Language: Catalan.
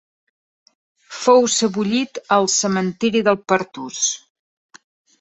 Fou sebollit al cementiri del Pertús.